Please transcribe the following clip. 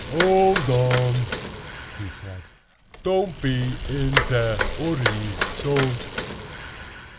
"Old on!" he said; "don't pe in te urry—don't.